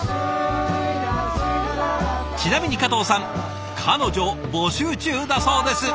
ちなみに加藤さん彼女募集中だそうです。